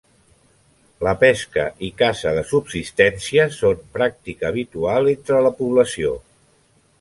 La pesca i caça de subsistència són pràctica habitual entre la població.